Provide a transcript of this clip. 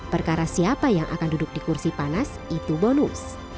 perkara siapa yang akan duduk di kursi panas itu bonus